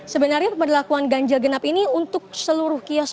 sebenarnya pemberlakuan ganjil genap ini untuk seluruh kios